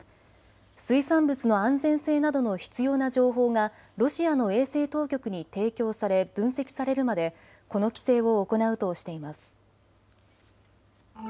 水産物の安全性などの必要な情報がロシアの衛生当局に提供され分析されるまでこの規制を行うとしています。